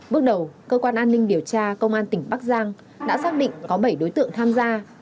bước đầu cơ quan an ninh điều tra công an tỉnh bắc giang đã xác định có bảy đối tượng tham gia